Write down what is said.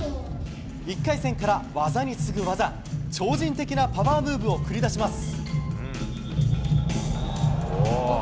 １回戦から技に次ぐ技超人的なパワームーブを繰り出します。